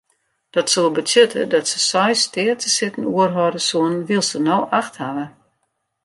Dat soe betsjutte dat se seis steatesitten oerhâlde soenen wylst se no acht hawwe.